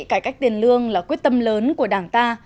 cải cách tiền lương là quyết tâm lớn của đảng ta